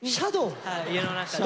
家の中で。